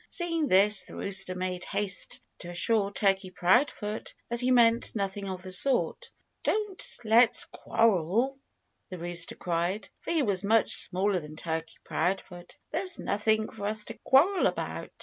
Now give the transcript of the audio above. Seeing this, the rooster made haste to assure Turkey Proudfoot that he meant nothing of the sort. "Don't let's quarrel!" the rooster cried for he was much smaller than Turkey Proudfoot. "There's nothing for us to quarrel about.